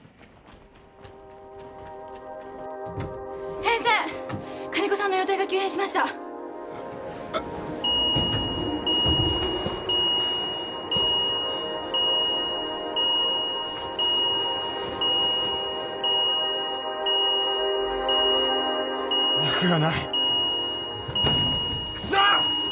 先生金子さんの容体が急変しました脈がないクソッ！